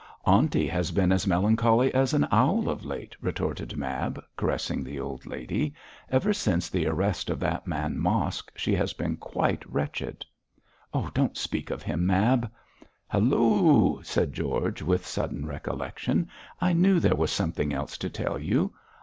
'Aunty has been as melancholy as an owl of late,' retorted Mab, caressing the old lady; 'ever since the arrest of that man Mosk she has been quite wretched.' 'Don't speak of him, Mab.' 'Halloo! said George, with sudden recollection, 'I knew there was something else to tell you.